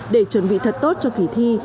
để chuẩn bị thật tốt cho kỳ thi